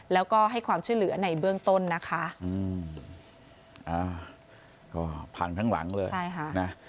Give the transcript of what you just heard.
แล้วก็ให้ความช่วยเหลือในเบื้องต้นนะคะอืมอ่าก็พังทั้งหลังเลยใช่ค่ะนะ